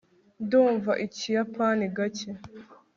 ndumva ikiyapani gake